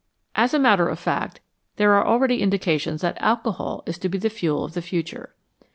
As a matter of fact, there are already indica tions that alcohol is to be the fuel of the future.